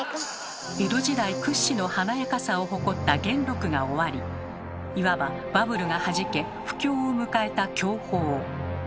江戸時代屈指の華やかさを誇った元禄が終わりいわばバブルがはじけ不況を迎えた享保。